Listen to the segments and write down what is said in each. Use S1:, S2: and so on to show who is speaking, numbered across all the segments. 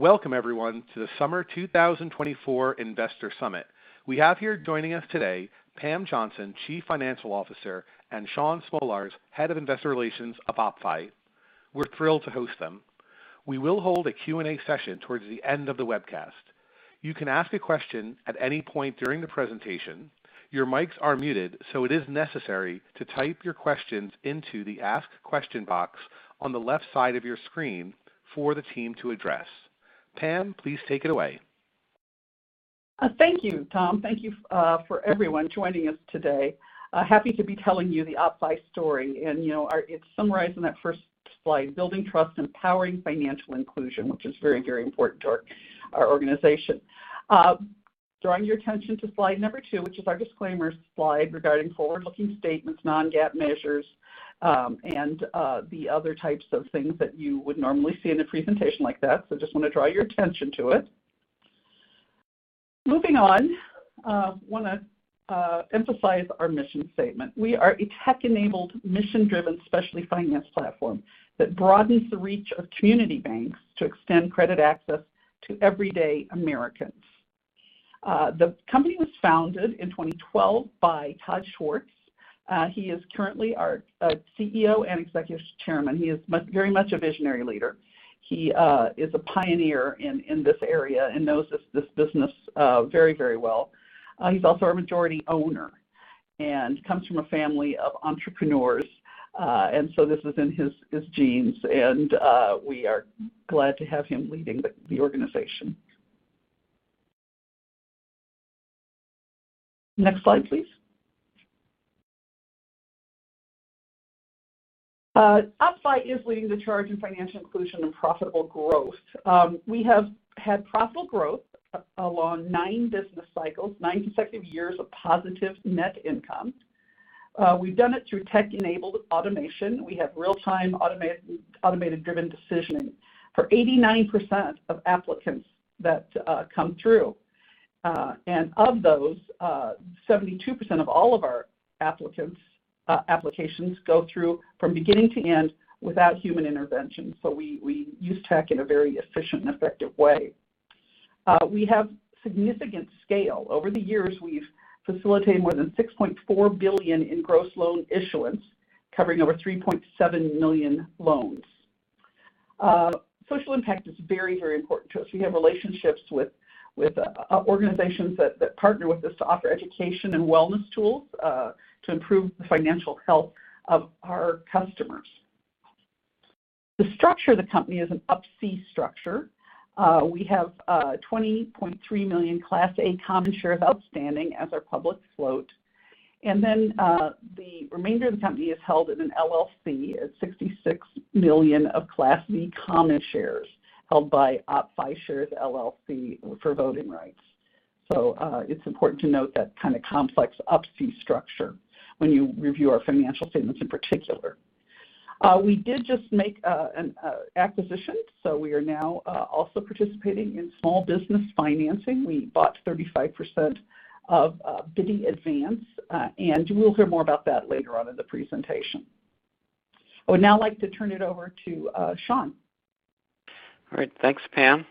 S1: Welcome everyone to the Summer 2024 Investor Summit. We have here joining us today, Pam Johnson, Chief Financial Officer, and Shaun Smolarz, Head of Investor Relations of OppFi. We're thrilled to host them. We will hold a Q&A session towards the end of the webcast. You can ask a question at any point during the presentation. Your mics are muted, so it is necessary to type your questions into the Ask Question box on the left side of your screen for the team to address. Pam, please take it away.
S2: Thank you, Tom. Thank you for everyone joining us today. Happy to be telling you the OppFi story, and, you know, it's summarized in that first slide, building trust, empowering financial inclusion, which is very, very important to our organization.
S1: Drawing your attention to slide number two, which is our disclaimer slide regarding forward-looking statements, non-GAAP measures, and the other types of things that you would normally see in a presentation like that, so just want to draw your attention to it. Moving on, want to emphasize our mission statement we are a tech-enabled, mission-driven, specialty finance platform that broadens the reach of community banks to extend credit access to everyday Americans. The company was founded in 2012 by Todd Schwartz. He is currently our CEO and Executive Chairman he is very much a visionary leader. He is a pioneer in this area and knows this business very, very well. He's also our majority owner and comes from a family of entrepreneurs, and so this is in his genes, and we are glad to have him leading the organization. Next slide, please. OppFi is leading the charge in financial inclusion and profitable growth. We have had profitable growth along 9 business cycles, 9 consecutive years of positive net income. We've done it through tech-enabled automation, we have real-time automated-driven decisioning. For 89% of applicants that come through, and of those, 72% of all of our applications go through from beginning to end without human intervention so we use tech in a very efficient and effective way. We have significant scale, over the years, we've facilitated more than $6.4 billion in gross loan issuance, covering over 3.7 million loans. Social impact is very, very important to us we have relationships with organizations that partner with us to offer education and wellness tools. To improve the financial health of our customers. The structure of the company is an Up-C structure. We have 20.3 million Class A common shares outstanding as our public float. And then, the remainder of the company is held in an LLC at 66 million of Class B common shares held by OppFi Shares LLC for voting rights. So, it's important to note that kind of complex Up-C structure when you review our financial statements in particular. We did just make an acquisition, so we are now also participating in small business financing we bought 35% of Bitty Advance, and you will hear more about that later on in the presentation. I would now like to turn it over to Shaun.
S3: All right, thanks, Pam.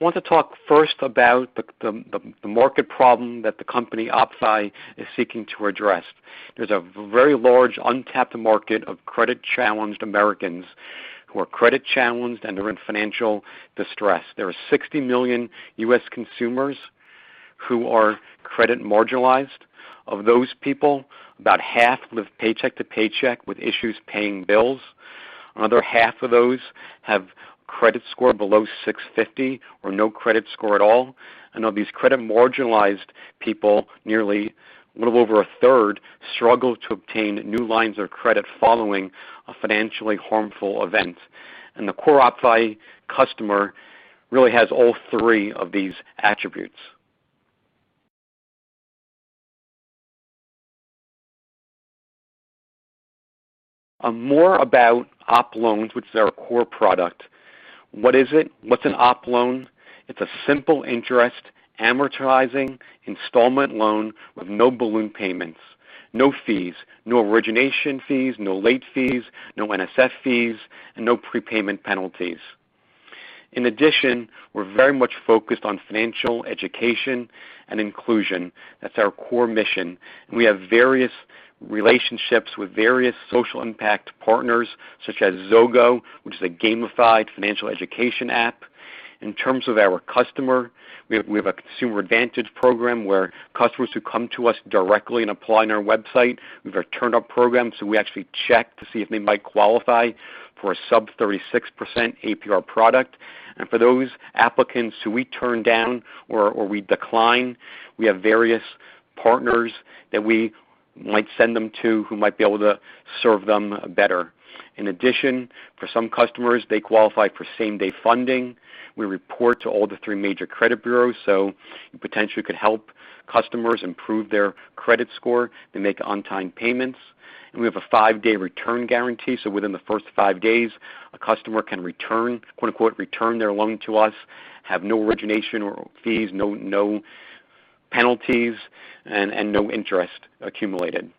S3: I want to talk first about the market problem that the company, OppFi, is seeking to address. There's a very large untapped market of credit-challenged Americans who are credit challenged and are in financial distress there are 60 million U.S. consumers who are credit marginalized of those people, about half live paycheck to paycheck with issues paying bills.
S1: Another half of those have credit score below 650 or no credit score at all. And of these credit marginalized people, nearly a little over a third, struggle to obtain new lines of credit following a financially harmful event. And the core OppFi customer really has all three of these attributes. More about OppLoans, which is our core product. What is it? What's an OppLoan? It's a simple interest, amortizing, installment loan with no balloon payments, no fees, no origination fees, no late fees, no NSF fees, and no prepayment penalties. In addition, we're very much focused on financial education and inclusion. That's our core mission. We have various relationships with various social impact partners, such as Zogo, which is a gamified financial education app. In terms of our customer, we have a consumer advantage program where customers who come to us directly and apply on our website, we have a TurnUp program, so we actually check to see if they might qualify for a sub-36% APR product, and for those applicants who we turn down or we decline, we have various partners that we might send them to, who might be able to serve them better. In addition, for some customers, they qualify for same-day funding. We report to all the three major credit bureaus. Potentially could help customers improve their credit score. They make on-time payments, and we have a five-day return guarantee, so within the first five days, a customer can return, quote, unquote, "return their loan to us," have no origination or fees, no penalties, and no interest accumulated.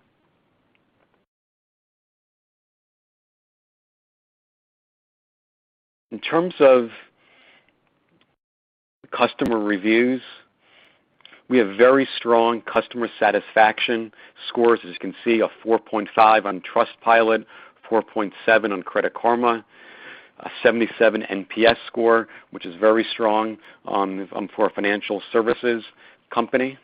S1: In terms of customer reviews, we have very strong customer satisfaction scores as you can see, a 4.5 on Trustpilot, 4.7 on Credit Karma, a 77 NPS score, which is very strong on, for a financial services company.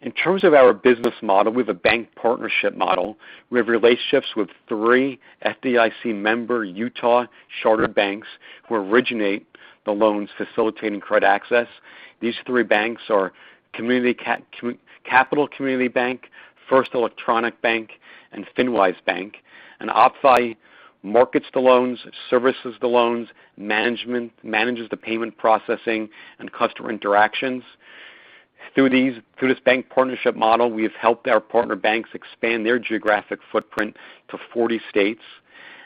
S1: In terms of our business model, we have a bank partnership model. We have relationships with three FDIC member Utah chartered banks who originate the loans facilitating credit access. These three banks are Capital Community Bank, First Electronic Bank, and FinWise Bank, OppFi markets the loans, services the loans, management manages the payment processing and customer interactions. Through this bank partnership model, we have helped our partner banks expand their geographic footprint to 40 states.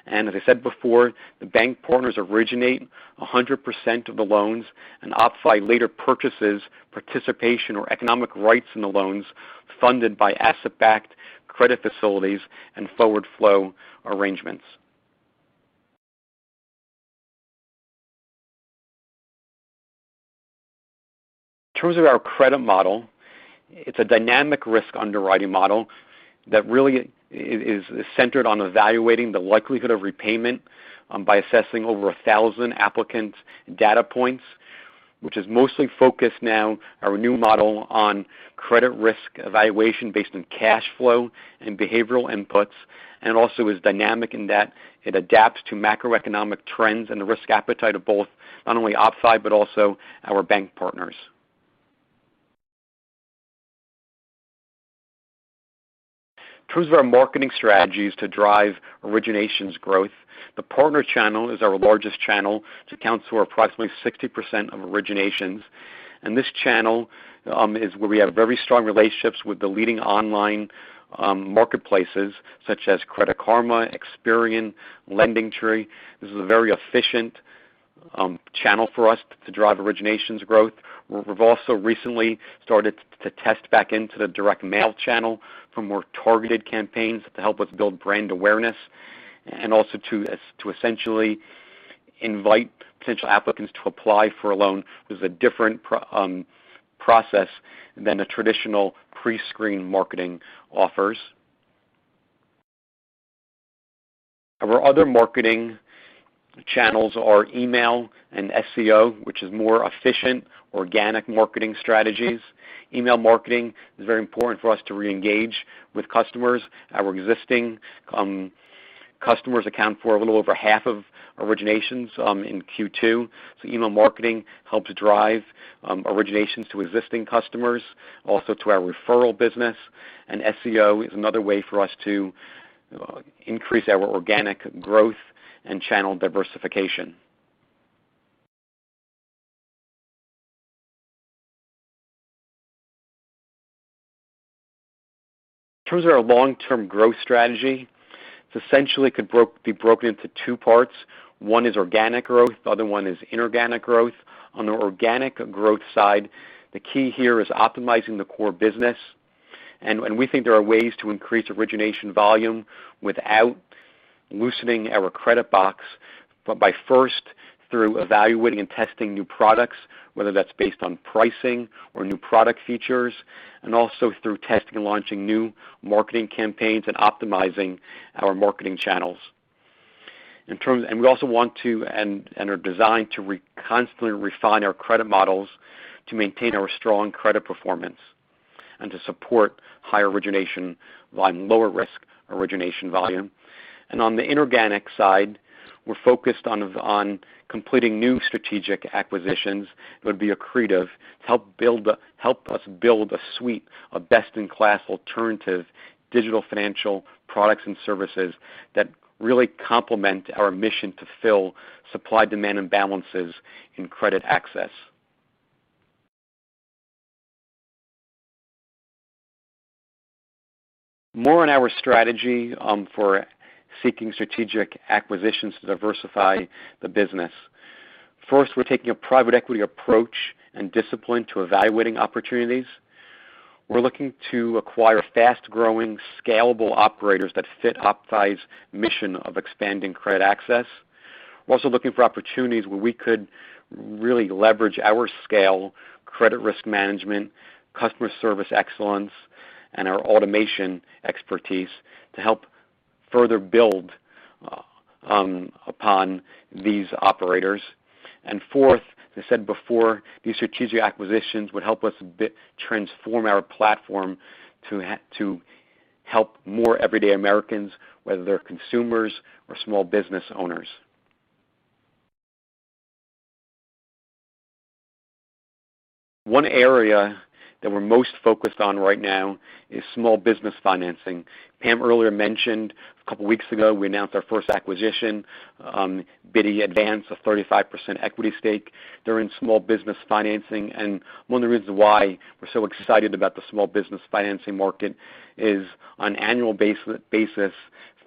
S1: As I said before, the bank partners originate 100% of the loans, and OppFi later purchases participation or economic rights in the loans, funded by asset-backed credit facilities and forward flow arrangements. In terms of our credit model, it's a dynamic risk underwriting model that really is centered on evaluating the likelihood of repayment by assessing over a thousand applicants' data points, which is mostly focused now, our new model, on credit risk evaluation based on cash flow and behavioral inputs, and also is dynamic in that it adapts to macroeconomic trends and the risk appetite of both, not only OppFi, but also our bank partners. In terms of our marketing strategies to drive originations growth, the partner channel is our largest channel, which accounts for approximately 60% of originations, and this channel is where we have very strong relationships with the leading online marketplaces, such as Credit Karma, Experian, LendingTree. This is a very efficient channel for us to drive originations growth. We've also recently started to test back into the direct mail channel for more targeted campaigns to help us build brand awareness and also to essentially invite potential applicants to apply for a loan. There's a different process than a traditional pre-screened marketing offers. Our other marketing channels are email and SEO, which is more efficient, organic marketing strategies. Email marketing is very important for us to reengage with customers. Our existing customers account for a little over half of originations in Q2 email marketing helps drive originations to existing customers, also to our referral business. SEO is another way for us to increase our organic growth and channel diversification. In terms of our long-term growth strategy, it essentially could be broken into two parts. One is organic growth, the other one is inorganic growth. On the organic growth side, the key here is optimizing the core business. And we think there are ways to increase origination volume without loosening our credit box, but by first through evaluating and testing new products, whether that's based on pricing or new product features, and also through testing and launching new marketing campaigns and optimizing our marketing channels. We also want to and are designed to constantly refine our credit models to maintain our strong credit performance and to support higher origination while lower risk origination volume. On the inorganic side, we're focused on completing new strategic acquisitions that would be accretive, help us build a suite of best-in-class alternative digital financial products and services that really complement our mission to fill supply-demand imbalances in credit access. More on our strategy for seeking strategic acquisitions to diversify the business. First, we're taking a private equity approach and discipline to evaluating opportunities. We're looking to acquire fast-growing, scalable operators that fit OppFi's mission of expanding credit access. We're also looking for opportunities where we could really leverage our scale, credit risk management, customer service excellence, and our automation expertise to help further build upon these operators. Fourth, as I said before, these strategic acquisitions would help us transform our platform to help more everyday Americans, whether they're consumers or small business owners. One area that we're most focused on right now is small business financing. Pam earlier mentioned, a couple of weeks ago, we announced our first acquisition, Bitty Advance, a 35% equity stake. They're in small business financing, and one of the reasons why we're so excited about the small business financing market is on an annual basis,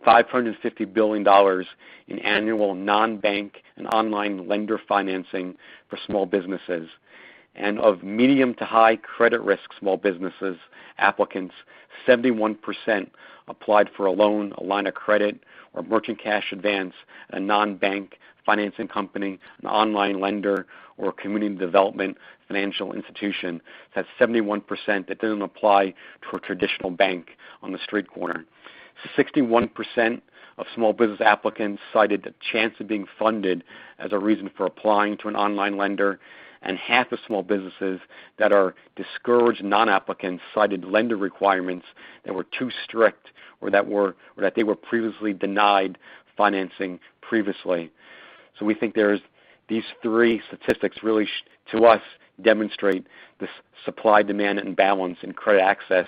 S1: $550 billion in annual non-bank and online lender financing for small businesses. And of medium to high credit risk small businesses, applicants, 71% applied for a loan, a line of credit or merchant cash advance, a non-bank financing company, an online lender or community development financial institution that's 71% that didn't apply to a traditional bank on the street corner 61% of small business applicants cited the chance of being funded. As a reason for applying to an online lender, and half of small businesses that are discouraged non-applicants cited lender requirements that were too strict or that they were previously denied financing we think there's these three statistics really, to us, demonstrate this supply-demand imbalance in credit access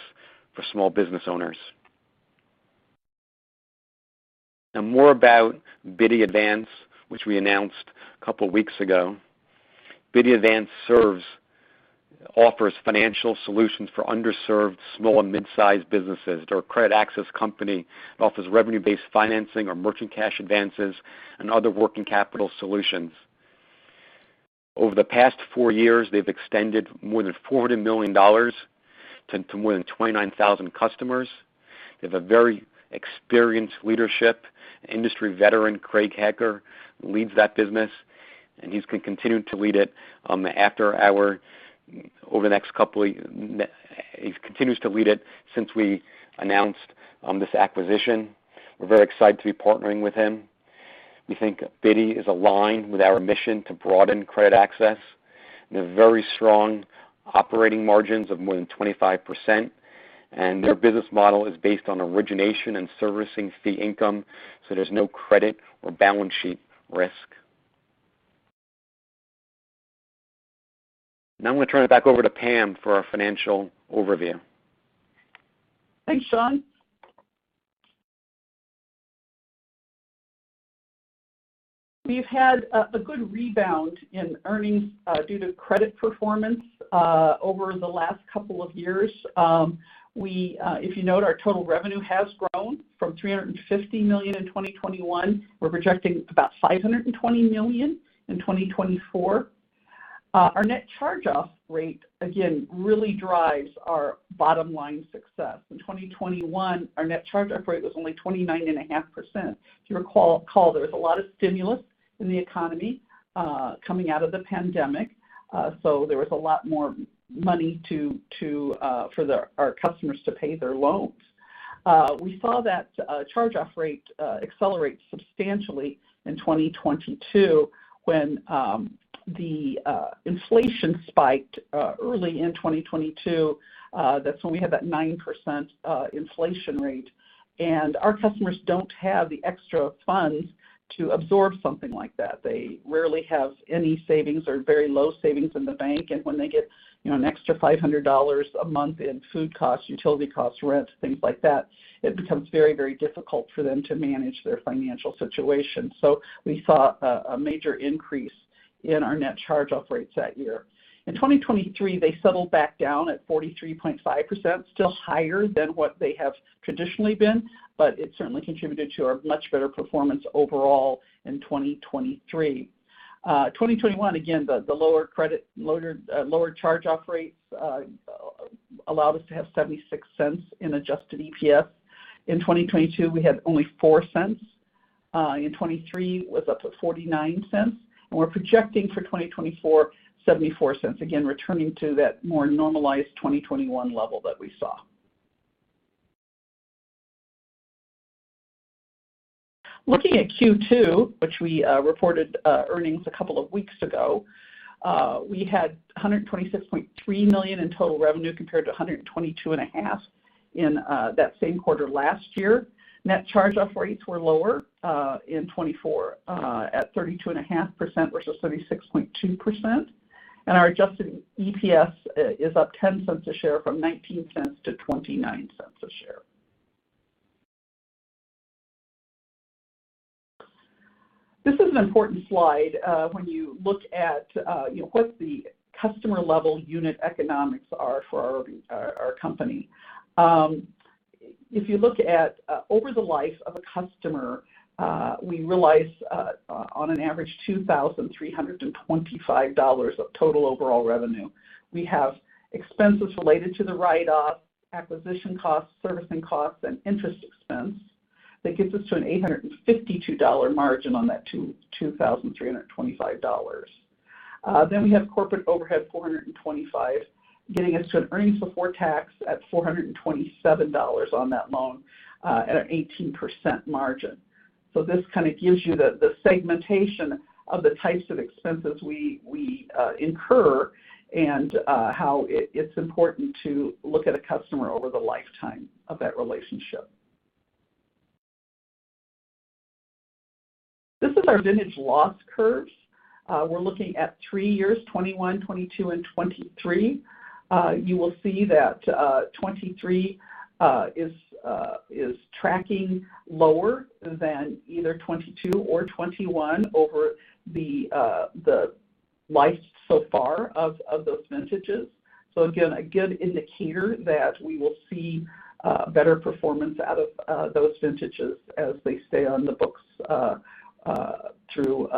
S1: for small business owners. Now more about Bitty Advance, which we announced a couple of weeks ago. Bitty Advance offers financial solutions for underserved small and mid-sized businesses they're a credit access company that offers revenue-based financing or merchant cash advances and other working capital solutions. Over the past four years, they've extended more than $400 million to more than 29,000 customers. They have a very experienced leadership. Industry veteran, Craig Hecker, leads that business, and he continues to lead it since we announced this acquisition. We're very excited to be partnering with him. We think Bitty is aligned with our mission to broaden credit access. They have very strong operating margins of more than 25%, and their business model is based on origination and servicing fee income, so there's no credit or balance sheet risk. Now I'm going to turn it back over to Pam for our financial overview.
S2: Thanks, Shaun. We've had a good rebound in earnings due to credit performance over the last couple of years. If you note, our total revenue has grown from $350 million in 2021. We're projecting about $520 million in 2024. Our net charge-off rate again really drives our bottom line success. In 2021, our net charge-off rate was only 29.5%. If you recall, there was a lot of stimulus in the economy coming out of the pandemic, so there was a lot more money for our customers to pay their loans. We saw that charge-off rate accelerate substantially in 2022 when the inflation spiked early in 2022.
S1: That's when we had that 9% inflation rate, and our customers don't have the extra funds to absorb something like that they rarely have any savings or very low savings in the bank, and when they get, you know, an extra $500 a month in food costs, utility costs, rent, things like that, it becomes very, very difficult for them to manage their financial situation, so we saw a major increase in our net charge-off rates that year. In 2023, they settled back down at 43.5%, still higher than what they have traditionally been, but it certainly contributed to our much better performance overall in 2023. 2021, again, the lower credit, lower charge-off rates allowed us to have $0.76 in adjusted EPS. In 2022, we had only $0.04. In 2023, it was up to $0.49, and we're projecting for 2024, $0.74. Again, returning to that more normalized 2021 level that we saw. Looking at Q2, which we reported earnings a couple of weeks ago, we had $126.3 million in total revenue compared to $122.5 million in that same quarter last year. Net charge-off rates were lower in 2024 at 32.5% versus 36.2%, and our adjusted EPS is up $0.10 a share from $0.19-$0.29 a share. This is an important slide, when you look at, you know, what the customer-level unit economics are for our company. If you look at over the life of a customer, we realize on an average $2,325 of total overall revenue. We have expenses related to the write-off, acquisition costs, servicing costs, and interest expense. That gets us to an $852 margin on that $2,325. Then we have corporate overhead $425, getting us to an earnings before tax at $427 on that loan at an 18% margin. So this kind of gives you the segmentation of the types of expenses we incur and how it's important to look at a customer over the lifetime of that relationship. This is our vintage loss curves. We're looking at three years, 2021, 2022, and 2023. You will see that 2023 is tracking lower than either 2022 or 2021 over the life so far of those vintages. So again, a good indicator that we will see better performance out of those vintages as they stay on the books through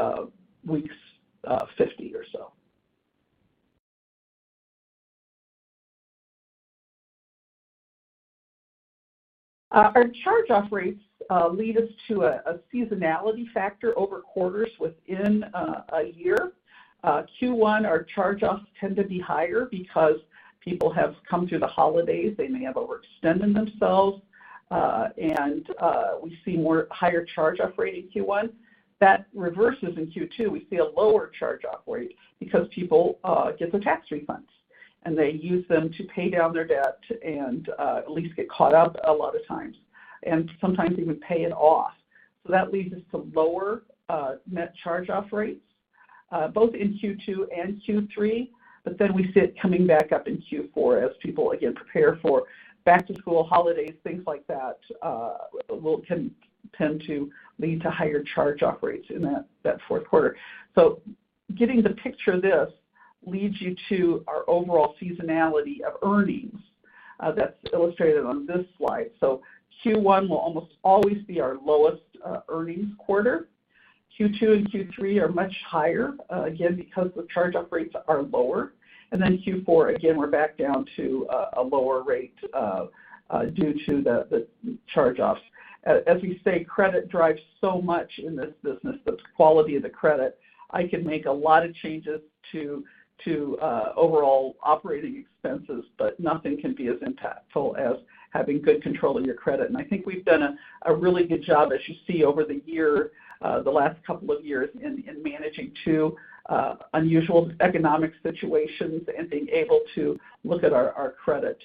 S1: weeks 50 or so. Our charge-off rates lead us to a seasonality factor over quarters within a year. Q1, our charge-offs tend to be higher because people have come through the holidays they may have overextended themselves, and we see more higher charge-off rate in Q1. That reverses in Q2 we see a lower charge-off rate because people get their tax refunds, and they use them to pay down their debt and at least get caught up a lot of times, and sometimes even pay it off. So that leads us to lower net charge-off rates both in Q2 and Q3, but then we see it coming back up in Q4 as people again prepare for back-to-school, holidays, things like that, can tend to lead to higher charge-off rates in that Q4. So getting the picture of this leads you to our overall seasonality of earnings that's illustrated on this slide so Q1 will almost always be our lowest earnings quarter. Q2 and Q3 are much higher again because the charge-off rates are lower. And then Q4, again, we're back down to a lower rate due to the charge-offs. As we say, credit drives so much in this business, the quality of the credit. I can make a lot of changes to overall operating expenses, but nothing can be as impactful as having good control of your credit and I think we've done a really good job, as you see over the year. The last couple of years in managing two unusual economic situations and being able to look at our credit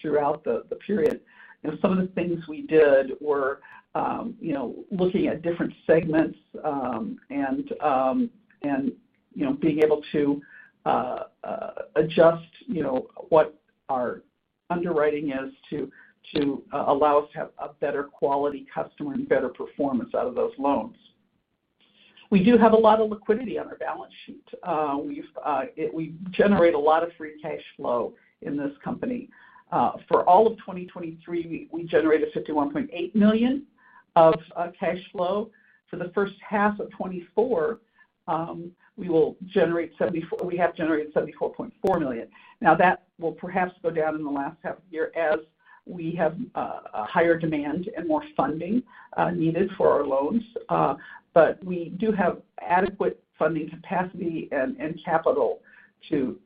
S1: throughout the period. You know, some of the things we did were, you know, looking at different segments, and, you know, being able to adjust, you know, what our underwriting is to allow us to have a better quality customer and better performance out of those loans. We do have a lot of liquidity on our balance sheet. We generate a lot of free cash flow in this company. For all of 2023, we generated $51.8 million of cash flow. For the first half of 2024, we have generated $74.4 million. Now, that will perhaps go down in the last half of the year as we have a higher demand and more funding needed for our loans. But we do have adequate funding capacity and capital to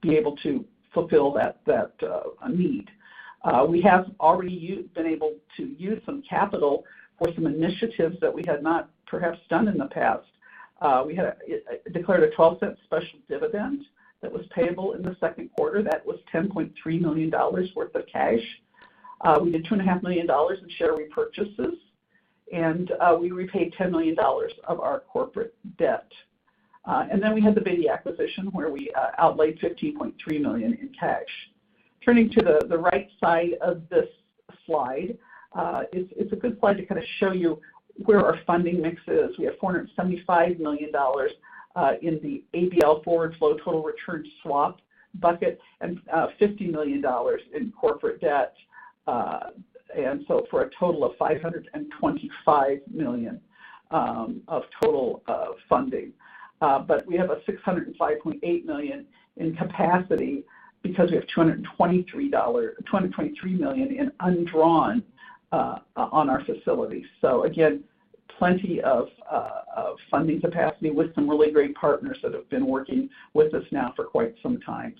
S1: be able to fulfill that need. We have already been able to use some capital for some initiatives that we had not perhaps done in the past. We had declared a $0.12 special dividend that was payable in the second quarter that was $10.3 million worth of cash. We did $2.5 million in share repurchases, and we repaid $10 million of our corporate debt. And then we had the Bitty acquisition, where we outlaid $15.3 million in cash. Turning to the right side of this slide, it's a good slide to kinda show you where our funding mix is we have $475 million in the ABL forward flow, total return swap bucket, and $50 million in corporate debt, and so for a total of $525 million of total funding. But we have $605.8 million in capacity because we have $223 million in undrawn on our facilities so again, plenty of funding capacity with some really great partners that have been working with us now for quite some time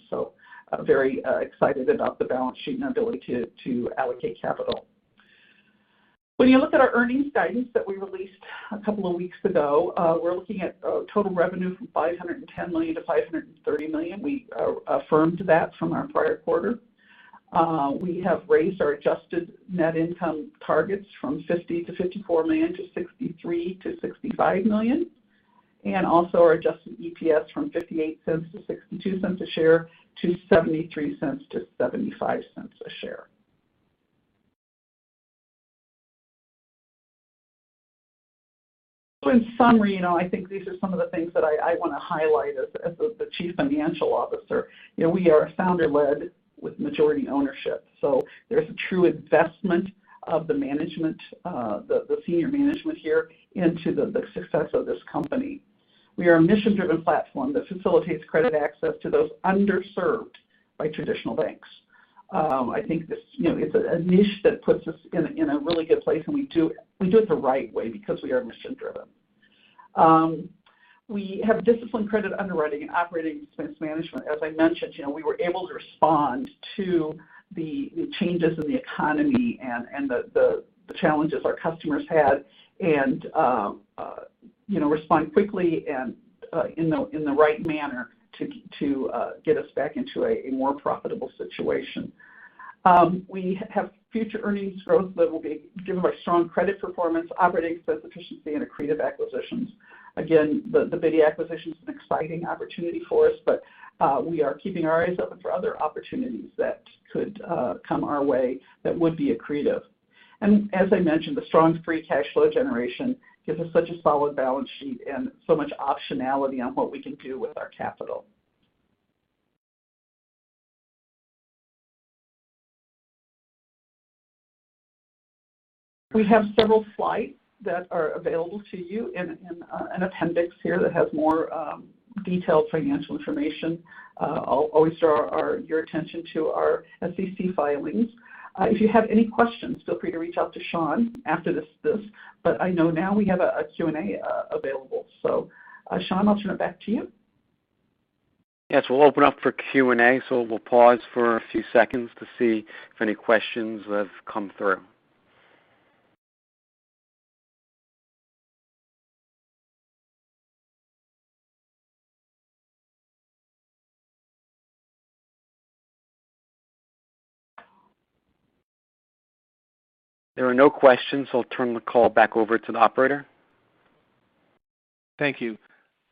S1: very excited about the balance sheet and ability to allocate capital. When you look at our earnings guidance that we released a couple of weeks ago, we're looking at total revenue from $510-$530 million we affirmed that from our prior quarter. We have raised our adjusted net income targets from $50-$54 million to $63-$65 million, and also our adjusted EPS from $0.58-$0.62 a share to $0.73-$0.75 a share. So in summary, you know, I think these are some of the things that I wanna highlight as the Chief Financial Officer. You know, we are founder-led with majority ownership, so there's a true investment of the management, the senior management here into the success of this company. We are a mission-driven platform that facilitates credit access to those underserved by traditional banks. I think this, you know, it's a niche that puts us in a really good place, and we do it the right way because we are mission-driven. We have disciplined credit underwriting and operating expense management as I mentioned, you know, we were able to respond to the changes in the economy and the challenges our customers had and, you know, respond quickly and in the right manner to get us back into a more profitable situation. We have future earnings growth that will be driven by strong credit performance, operating expense efficiency, and accretive acquisitions. Again, the Bitty acquisition is an exciting opportunity for us, but we are keeping our eyes open for other opportunities that could come our way that would be accretive. As I mentioned, the strong free cash flow generation gives us such a solid balance sheet and so much optionality on what we can do with our capital. We have several slides that are available to you and an appendix here that has more detailed financial information. I'll always draw your attention to our SEC filings. If you have any questions, feel free to reach out to Shaun after this, but I know now we have a Q&A available. So, Shaun, I'll turn it back to you.
S3: Yes, we'll open up for Q&A, so we'll pause for a few seconds to see if any questions have come through. There are no questions. I'll turn the call back over to the operator.
S1: Thank you.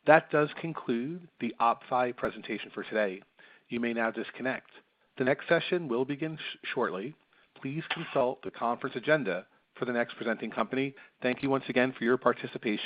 S1: That does conclude the OppFi presentation for today. You may now disconnect. The next session will begin shortly. Please consult the conference agenda for the next presenting company. Thank you once again for your participation.